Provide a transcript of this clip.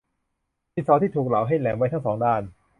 ดินสอที่ถูกเหลาให้แหลมไว้ทั้งสองด้าน